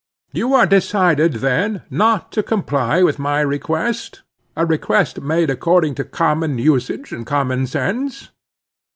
"You are decided, then, not to comply with my request—a request made according to common usage and common sense?"